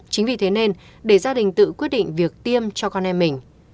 chính vì thế nên để gia đình tự quyết định việc tiêm cho con em mình